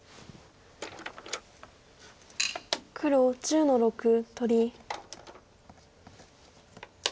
黒１０の六取り。